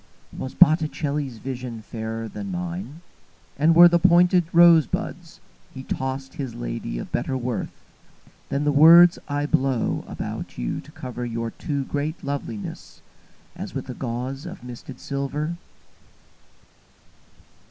Was Botticelli's visionFairer than mine; And were the pointed rosebudsHe tossed his ladyOf better worthThan the words I blow about youTo cover your too great lovelinessAs with a gauzeOf misted silver?